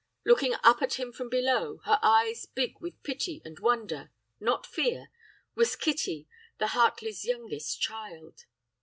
Looking up at him from below, her eyes big with pity and wonder not fear was Kitty, the Hartley's youngest child.